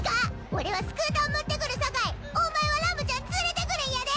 俺はスクーター持ってくるさかいお前はラムちゃん連れてくるんやで！